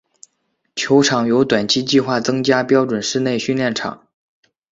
球场有短期计划增加标准室内训练场。